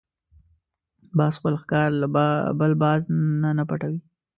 باز خپل ښکار له بل باز نه پټوي